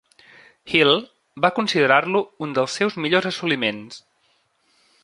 Hill va considerar-lo un dels seus millors assoliments.